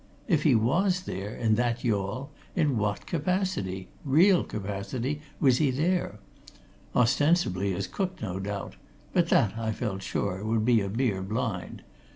If he was there, in that yawl, in what capacity real capacity was he there? Ostensibly, as cook, no doubt but that, I felt sure, would be a mere blind.